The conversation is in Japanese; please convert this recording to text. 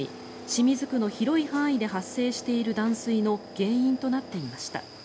清水区の広い範囲で発生している断水の原因となっています。